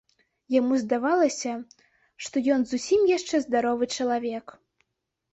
Яму здавалася, што ён зусім яшчэ здаровы чалавек.